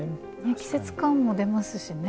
季節感も出ますしね。